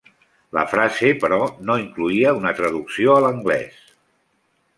La frase, però, no incloïa una traducció a l'anglès.